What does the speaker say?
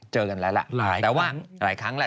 เจอกันแล้วละหลายครั้งแล้ว